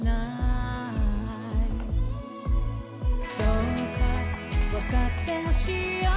「どうか分かって欲しいよ」